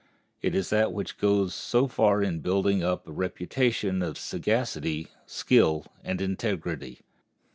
It is that which goes so far in building up a reputation of sagacity, skill, and integrity.